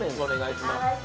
お願いします